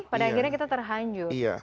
pada akhirnya kita terhanjur